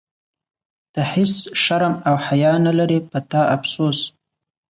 ته هیڅ شرم او حیا نه لرې، په تا افسوس.